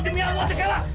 sumpah fatimah allah